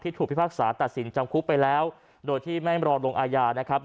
ถูกพิพากษาตัดสินจำคุกไปแล้วโดยที่ไม่รอลงอาญานะครับ